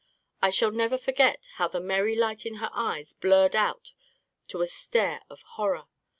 I shall never forget how the merry light in her eyes blurred out to a stare of horror.